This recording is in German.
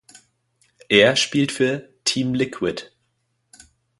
Er spielt für "Team Liquid".